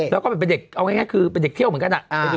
แล้วก็มันเป็นเด็กเอาง่ายคือเป็นเด็กเที่ยวเหมือนกัน